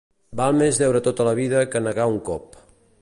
Val més deure tota la vida que negar un cop.